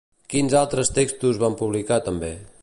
Quins altres textos va publicar també?